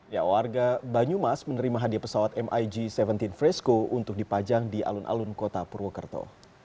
ya warga banyumas menerima hadiah pesawat mig tujuh belas fresco untuk dipajang di alun alun kota purwokerto